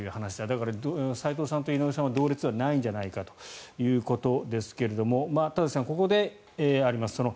だから、斎藤さんと井上さんは同列ではないんじゃないかということですが田崎さん、ここであります